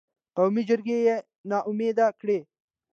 قومي جرګې یې نا امیده کړې.